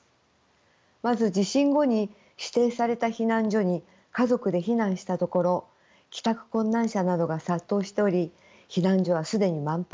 まず地震後に指定された避難所に家族で避難したところ帰宅困難者などが殺到しており避難所は既に満杯。